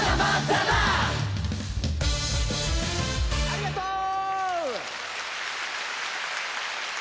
ありがとう！